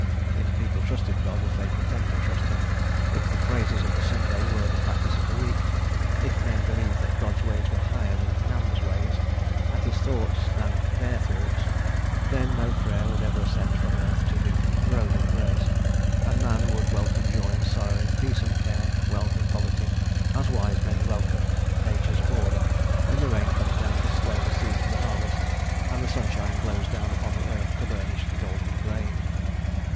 If people trusted God, as they pretend to trust him if the phrases of the Sunday were the practice of the week if men believed that God's ways were higher than man's ways, and his thoughts than their thoughts then no Prayer would ever ascend from earth to the "Throne of grace," and man would welcome joy and sorrow, peace and care, wealth and poverty, as wise men welcome nature's order, when the rain comes down to swell the seed for the harvest, and the sunshine glows down upon earth to burnish the golden grain.